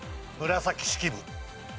紫式部。